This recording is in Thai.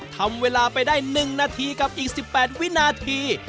ทำเวลาไปได้๑นาทีกับอีก๑๘วินาที